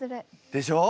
でしょう？